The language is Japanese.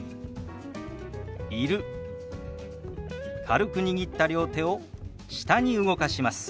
軽く握った両手を下に動かします。